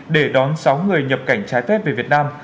để đón sáu người nhập cảnh trái phép về việt nam